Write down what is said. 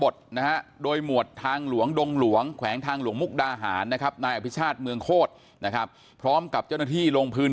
ต้องห่างจากเส้นแบ่งกึ่งกลางถนน